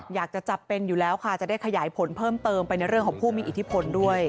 อยากจะจับเป็นอยู่แล้วค่ะจะได้ขยายผลเพิ่มเติมไปในเรื่องของผู้มีอิทธิพลด้วย